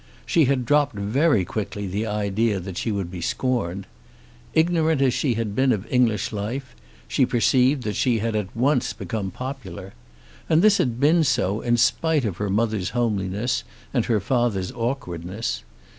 She had dropped very quickly the idea that she would be scorned. Ignorant as she had been of English life, she perceived that she had at once become popular. And this had been so in spite of her mother's homeliness and her father's awkwardness.